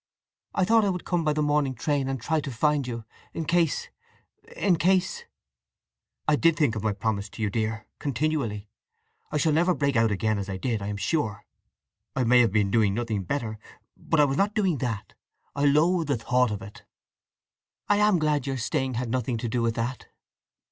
"I thought I would come by the morning train and try to find you—in case—in case—" "I did think of my promise to you, dear, continually! I shall never break out again as I did, I am sure. I may have been doing nothing better, but I was not doing that—I loathe the thought of it." "I am glad your staying had nothing to do with that.